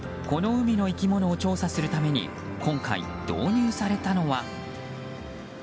この海の生き物を調査するために今回、導入されたのは。